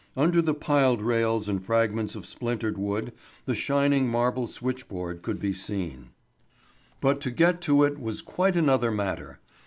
Under the piled rails and fragments of splintered wood, the shining marble switchboard could be seen. But to get to it was quite another matter.